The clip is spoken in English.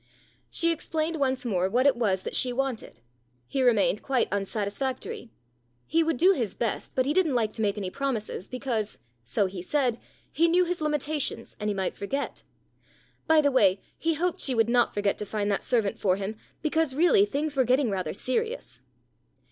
She explained once more what it was that she wanted. He remained quite unsatisfactory. He would do his best, but he didn't like to make any promises because (so he said) he knew his limita tions, and he might forget. By the way, he hoped she would not forget to find that servant for him, because really things were getting rather serious.